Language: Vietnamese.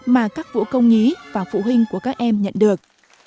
mà các vũ công nhí và phụ huynh của các em nhận được